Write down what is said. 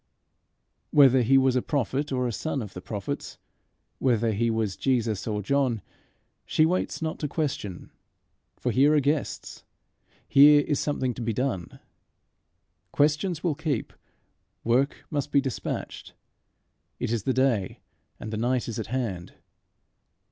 Whether he was a prophet or a son of the prophets, whether he was Jesus or John, she waits not to question; for here are guests; here is something to be done. Questions will keep; work must be despatched. It is the day, and the night is at hand.